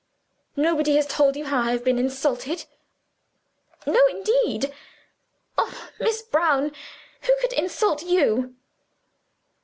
"Nobody has told you how I have been insulted?" "No, indeed! Oh, Miss Brown, who could insult _you?